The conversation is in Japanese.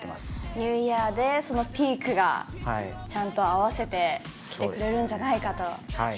ニューイヤーでピークをちゃんと合わせてきてくれるんじゃないかと。